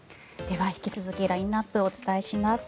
では、引き続きラインナップをお伝えします。